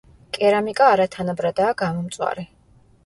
კერამიკა არათანაბრადაა გამომწვარი.